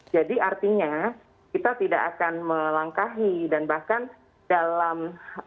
jadi artinya kita tidak akan melangkahi dan bahkan dalam